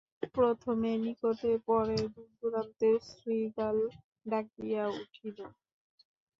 প্রথমে নিকটে, পরে দূর-দুরান্তরে শৃগাল ডাকিয়া উঠিল।